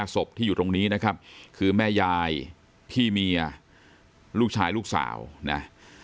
ศพที่อยู่ตรงนี้นะครับคือแม่ยายพี่เมียลูกชายลูกสาวนะ